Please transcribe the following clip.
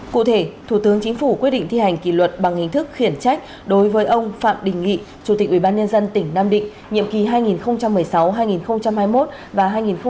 cụ thể thủ tướng chính phủ quyết định thi hành kỷ luật bằng hình thức khiển trách đối với ông phạm đình nghị chủ tịch ubnd tỉnh nam định nhiệm kỳ hai nghìn một mươi sáu hai nghìn hai mươi một và hai nghìn hai mươi một hai nghìn hai mươi sáu